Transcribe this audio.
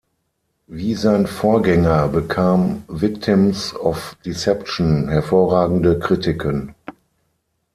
Wie sein Vorgänger bekam "Victims of Deception" hervorragende Kritiken.